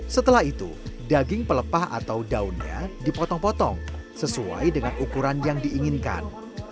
setelah itu daging pelepah atau daunnya dipotong potong sesuai dengan ukuran yang diinginkan